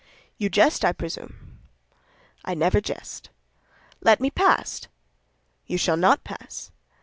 "You jest, I presume." "I never jest." "Let me pass!" "You shall not pass."